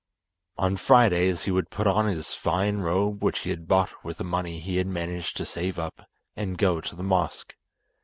On Fridays he would put on his fine robe which he had bought with the money he had managed to save up, and go to the mosque.